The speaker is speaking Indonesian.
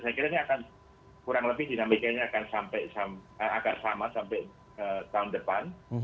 saya kira ini akan kurang lebih dinamikanya akan sama sampai tahun depan